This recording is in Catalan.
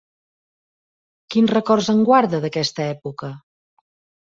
Quins records en guarda d'aquesta època?